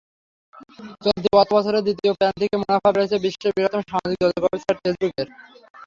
চলতি অর্থবছরের দ্বিতীয় প্রান্তিকে মুনাফা বেড়েছে বিশ্বের বৃহত্তম সামাজিক যোগাযোগের ওয়েবসাইট ফেসবুকের।